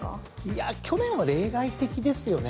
いや去年は例外的ですよね。